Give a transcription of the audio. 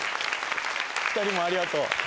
２人もありがとう。